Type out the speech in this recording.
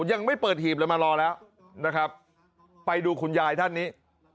ยังไม่เปิดหีบเลยมารอแล้วนะครับไปดูคุณยายท่านนี้